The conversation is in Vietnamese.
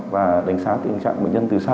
và đánh giá tình trạng bệnh nhân từ xa